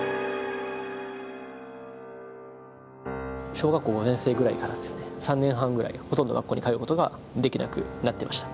小学校５年生ぐらいからですね３年半ぐらいほとんど学校に通うことができなくなってました。